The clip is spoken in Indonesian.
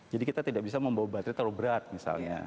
jadi kita tidak bisa membawa baterai terlalu berat misalnya